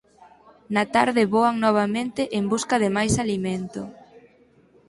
Na tarde voan novamente en busca de máis alimento.